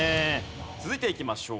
続いていきましょう。